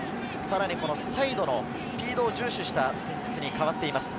さらにサイドのスピードを重視した戦術に変わっています。